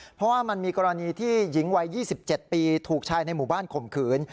เพราะว่ามันมีกรณีที่หญิงวัย๒๗ปีถูกชายในหมู่บ้านข่มขืน